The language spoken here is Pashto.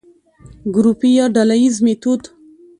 ګروپي يا ډلييز ميتود: